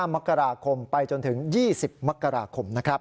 มกราคมไปจนถึง๒๐มกราคมนะครับ